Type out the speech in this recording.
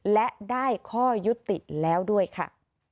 และได้ข้อยุติแล้วด้วยค่ะ